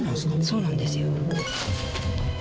そうなんですよ。